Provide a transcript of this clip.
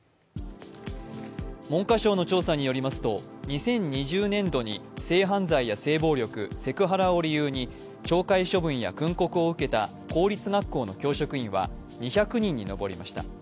文科省の調査によりますと２０２０年度に性犯罪や性暴力、セクハラを理由に懲戒処分や訓告を受けた公立学校の教職員は２００人に上りました。